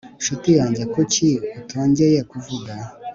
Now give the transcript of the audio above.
nshuti yanjye, kuki utongeye kuvuga